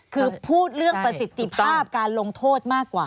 คือพูดเรื่องประสิทธิภาพการลงโทษมากกว่า